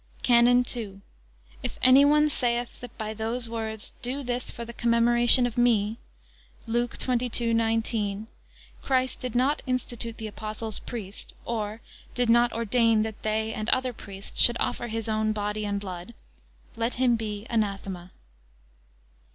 CANON II. If any one saith, that by those words, Do this for the commemoration of me (Luke xxii. 19), Christ did not institute the apostles priests; or, did not ordain that they, and other priests should offer His own body and blood; let him be anathema.